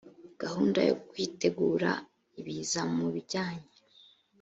gahunda yo kwitegura ibiza mu bijyanye